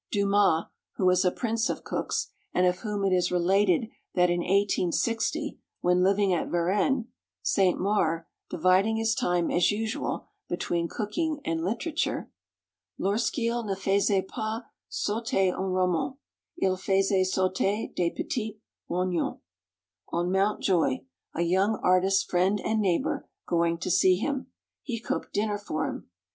Dumas, who was a prince of cooks, and of whom it is related that in 1860, when living at Varennes, St. Maur, dividing his time, as usual, between cooking and literature (Lorsqu'il ne faisait pas sauter un roman, il faisait sauter des petits oignons), on Mountjoye, a young artist friend and neighbor, going to see him, he cooked dinner for him.